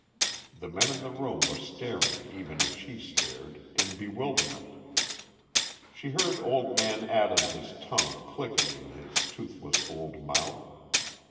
The men in the room were staring even as she stared, in bewilderment. She heard old man Adams's tongue clicking in his toothless old mouth.